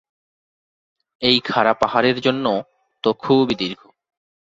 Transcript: এই খাড়া পাহাড়ের জন্য তো খুবই দীর্ঘ।